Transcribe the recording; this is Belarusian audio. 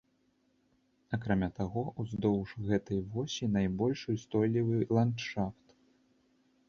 Акрамя таго, уздоўж гэтай восі найбольш устойлівы ландшафт.